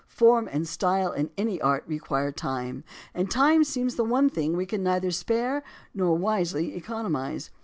Form and style in any art require time, and time seems the one thing we can neither spare nor wisely economize.